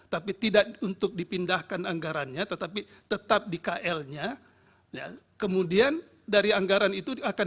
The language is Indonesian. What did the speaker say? tapi tidak untuk dipindahkan anggarannya tetapi tetap di kl nya kemudian dari anggaran itu akan